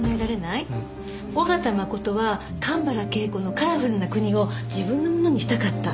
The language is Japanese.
緒方真琴は神原恵子の『カラフルなくに』を自分のものにしたかった。